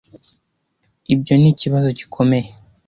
Ibyo nikibazo gikomeye.